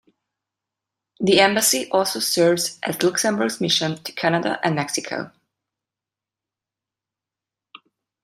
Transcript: The embassy also serves as Luxembourg's mission to Canada and Mexico.